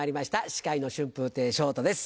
司会の春風亭昇太です